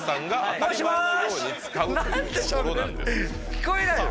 聞こえないの？